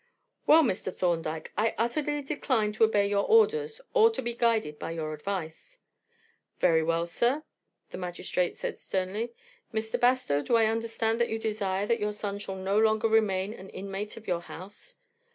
"Well, Mr. Thorndyke, I utterly decline to obey your orders or to be guided by your advice." "Very well, sir," the magistrate said sternly. "Mr. Bastow, do I understand that you desire that your son shall no longer remain an inmate of your house?"